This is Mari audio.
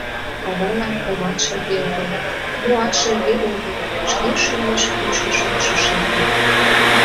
Авалан омат шерге огыл, моат шерге огыл, шке шӱмеш кӱшӧ шочшо шерге...